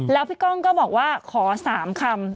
แล้วพี่ก้องก็บอกว่าขอ๓คำ